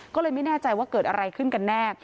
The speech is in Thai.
ก็เลยไม่แน่ใจว่าเกิดอะไรขึ้นกันแน่